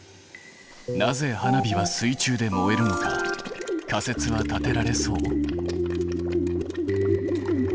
なぜ花火は水中で燃えるのか仮説は立てられそう？